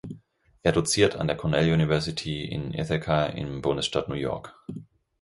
Er doziert an der Cornell University in Ithaca im Bundesstaat New York.